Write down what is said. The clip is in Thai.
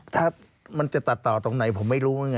ถ้ามันจะตัดต่อตรงไหนผมไม่รู้ไง